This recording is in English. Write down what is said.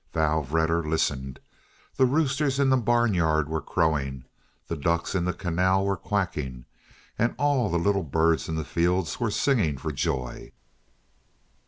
Vrouw Vedder listened. The roosters in the barnyard were crowing, the ducks in the canal were quacking, and all the little birds in the fields were singing for joy.